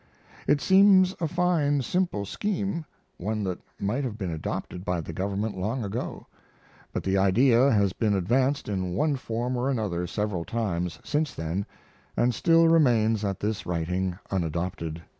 It seems a fine, simple scheme, one that might have been adopted by the government long ago; but the idea has been advanced in one form or another several times since then, and still remains at this writing unadopted.